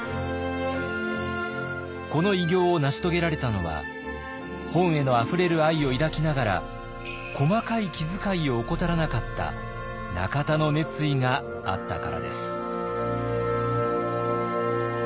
この偉業を成し遂げられたのは本へのあふれる愛を抱きながら細かい気づかいを怠らなかった中田の熱意があったからです。